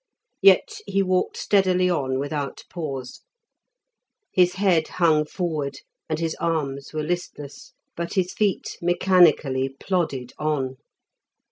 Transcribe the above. Yet he walked steadily on without pause; his head hung forward, and his arms were listless, but his feet mechanically plodded on.